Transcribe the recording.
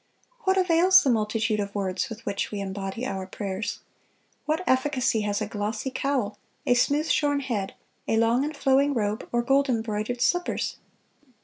What avails the multitude of words with which we embody our prayers? What efficacy has a glossy cowl, a smooth shorn head, a long and flowing robe, or gold embroidered slippers?...